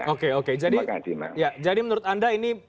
oke oke jadi menurut anda ini